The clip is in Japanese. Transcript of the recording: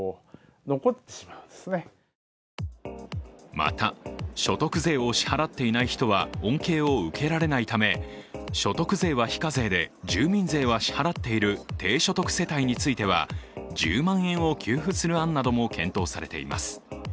また、所得税を支払っていない人は恩恵を受けられないため、所得税は非課税で住民税は支払っている低所得世帯については１０万円を給付する案なども検討されています。